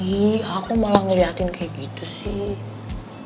ih aku malah ngeliatin kayak gitu sih